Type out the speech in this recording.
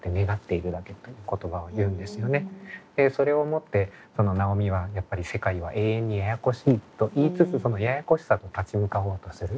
それをもって尚美はやっぱり世界は永遠にややこしいと言いつつそのややこしさと立ち向かおうとする。